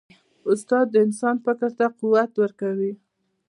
استاد د انسان فکر ته قوت ورکوي.